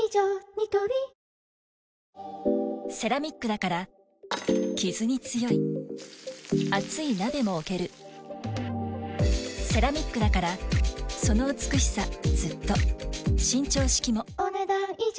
ニトリセラミックだからキズに強い熱い鍋も置けるセラミックだからその美しさずっと伸長式もお、ねだん以上。